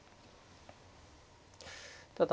ただ。